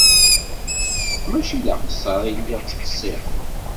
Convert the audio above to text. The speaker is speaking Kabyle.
Mačči d aqeṣṣer i lliɣ ttqeṣṣireɣ.